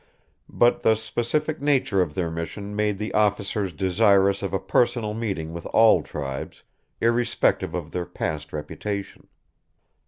But the specific nature of their mission made the officers desirous of a personal meeting with all tribes, irrespective of their past reputation.